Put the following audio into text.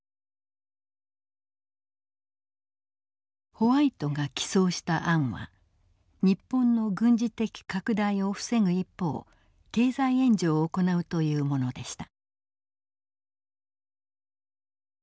ホワイトが起草した案は日本の軍事的拡大を防ぐ一方経済援助を行うというものでした。